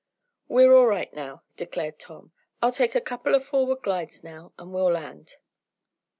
"We're all right now," declared Tom. "I'll take a couple of forward glides now, and we'll land."